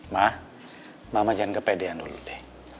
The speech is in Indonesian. mah mama jangan kepedean dulu deh